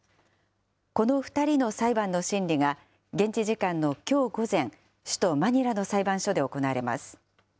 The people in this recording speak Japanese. この２人の裁判の審理が現地時間のきょう午前、首都マニラの裁判所で行われます。